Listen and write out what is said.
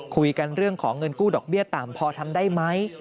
คุยกันเรื่องของเงินกู้ดอกเบี้ยต่ำพอทำได้ไหม